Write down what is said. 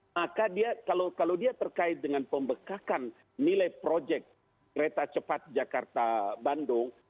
maka dia kalau dia terkait dengan pembekakan nilai proyek kereta cepat jakarta bandung